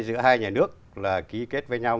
giữa hai nhà nước là ký kết với nhau